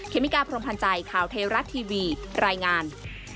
เมกาพรมพันธ์ใจข่าวเทราะทีวีรายงาน